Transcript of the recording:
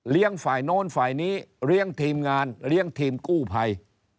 ฝ่ายโน้นฝ่ายนี้เลี้ยงทีมงานเลี้ยงทีมกู้ภัย